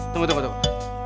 tunggu tunggu tunggu